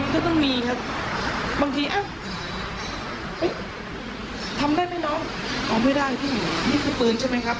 ก็ต้องมีครับบางทีอ้าวทำได้ไหมน้องเอาไม่ได้พี่นี่คือปืนใช่ไหมครับ